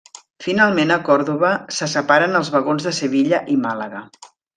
Finalment a Còrdova se separen els vagons de Sevilla i Màlaga.